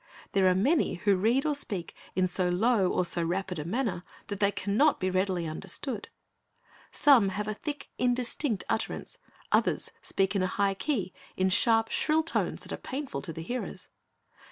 There are many who read or speak in so low or so rapid a manner that they can not be readily understood. Some have a thick, indistinct utterance, others speak in a high key, in sharp, shrill tones, that are painful to the hearers.